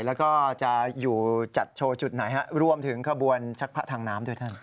แล้วก็จะอยู่จัดโชว์จุดไหนฮะรวมถึงขบวนชักพระทางน้ำด้วยท่าน